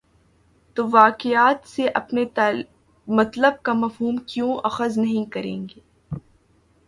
توواقعات سے اپنے مطلب کا مفہوم کیوں اخذ نہیں کریں گے؟